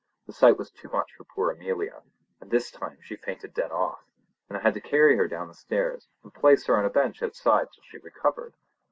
The sight was too much for poor Amelia, and this time she fainted dead off, and I had to carry her down the stairs, and place her on a bench outside till she recovered.